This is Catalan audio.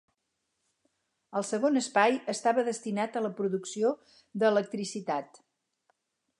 El segon espai estava destinat a la producció d'electricitat.